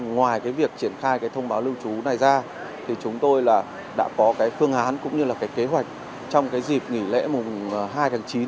ngoài việc triển khai thông báo lưu trú này ra chúng tôi đã có phương hán cũng như kế hoạch trong dịp nghỉ lễ hai tháng chín